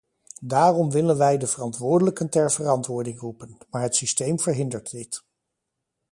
Daarom willen wij de verantwoordelijken ter verantwoording roepen, maar het systeem verhindert dit.